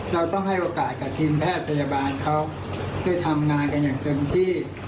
เราต้องให้โอกาสกับทีมแพทย์พยาบาลเขาได้ทำงานกันอย่างเต็มที่